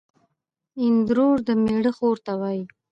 اندرور دمېړه خور ته وايي